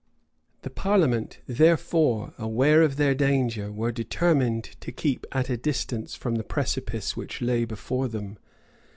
The parliament, therefore, aware of their danger, were determined to keep at a distance from the precipice which lay before them.